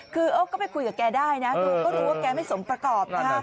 คือก็ไปคุยกับแกได้น้อยนะรู้แม่สมประกอบ